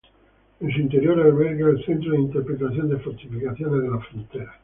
En su interior alberga el "Centro de Interpretación de Fortificaciones de la Frontera".